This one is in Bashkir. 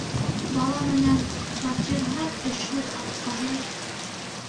Бала менән... фатирһыҙ, эшһеҙ, аҡсаһыҙ...